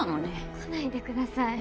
来ないでください。